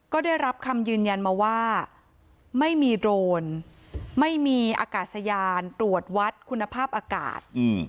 ก็ได้รับคำยืนยันมาว่าไม่มีโดรนไม่มีอากาศยานตรวจวัดคุณภาพอากาศ